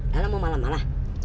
dara mau malah malah